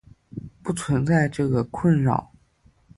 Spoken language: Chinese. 不存在这个困扰。